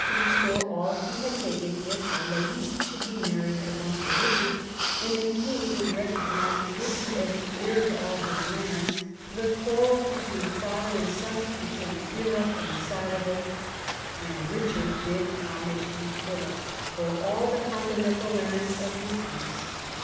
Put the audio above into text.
to restore all he had taken if Alais should be married at once to Eichard and the king would recognise Richard as the heir to all his lands, the quarrel between father and son became irreconcilable, and Eichard did homage to Philip for all the continental lands of his house.